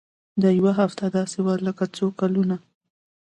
دا يوه هفته داسې وه لکه څو کلونه.